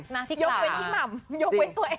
ยกเว้นพี่หม่ำยกเว้นตัวเอง